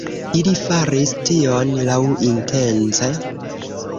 Ili faris tion laŭintence.